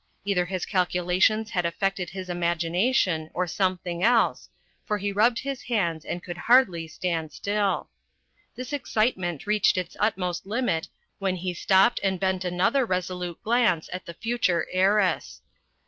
Either his calculations had affected his imagination or something else, for he rubbed his hands and could hardly stand still. This excitement reached its utmost limit when he stopped and bent another resolute glance at the future heiress.